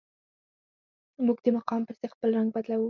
موږ د مقام پسې خپل رنګ بدلوو.